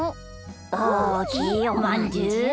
おおきいおまんじゅう。